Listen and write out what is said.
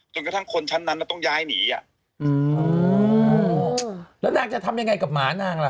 จนกระทั่งคนชั้นนั้นก็ต้องย้ายหนีอ่ะ